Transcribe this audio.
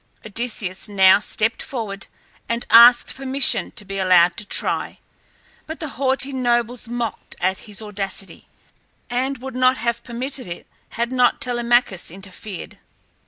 Odysseus now stepped forward and asked permission to be allowed to try, but the haughty nobles mocked at his audacity, and would not have permitted it had not Telemachus interfered.